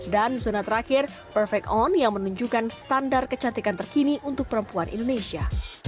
dan zona terakhir perfect on yang menunjukkan standar kecantikan terkini untuk perempuan indonesia